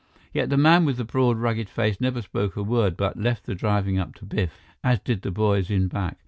Yet the man with the broad, rugged face never spoke a word, but left the driving up to Biff, as did the boys in back.